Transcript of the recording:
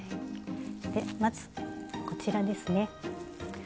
まずこちらですね。